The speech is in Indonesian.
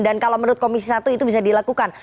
dan kalau menurut komisi satu itu bisa dilakukan